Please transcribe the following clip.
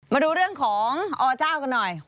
มาดูเรื่องของอเจ้ากันหน่อย